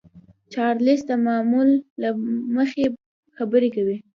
چارليس د معمول له مخې خبرې کولې.